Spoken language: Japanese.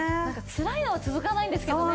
つらいのは続かないんですけどね。